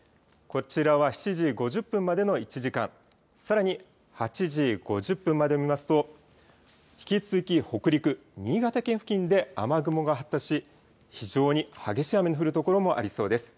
こちらは７時５０分までの１時間、さらに８時５０分まで見ますと、引き続き北陸、新潟県付近で雨雲が発達し、非常に激しい雨の降る所もありそうです。